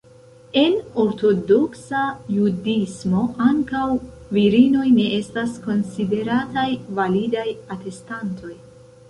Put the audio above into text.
En Ortodoksa Judismo, ankaŭ virinoj ne estas konsiderataj validaj atestantoj.